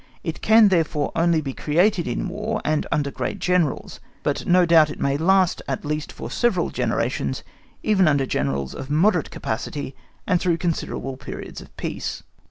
It can therefore only be created in War, and under great Generals, but no doubt it may last at least for several generations, even under Generals of moderate capacity, and through considerable periods of peace.